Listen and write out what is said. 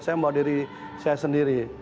saya membawa diri saya sendiri